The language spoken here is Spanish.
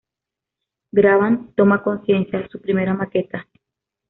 Graban "Toma conciencia", su primera maqueta.